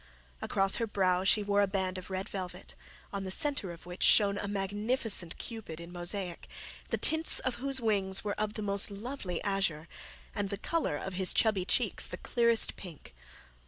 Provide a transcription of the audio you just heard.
Across her brow she wore a band of red velvet, on the centre of which shone a magnificent Cupid in mosaic, the tints of whose wings were of the most lovely azure, and the colour of his chubby cheeks the clearest pink.